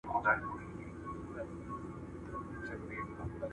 بله ناپوهي ده. حال دا چي د هيواد ټول قومونه او